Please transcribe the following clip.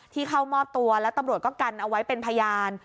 เข้ามอบตัวแล้วตำรวจก็กันเอาไว้เป็นพยาน